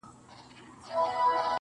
که جوار غنم سي بند اووه کلونه -